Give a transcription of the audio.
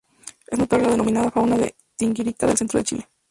Es notable la denominada Fauna de Tinguiririca del centro de Chile.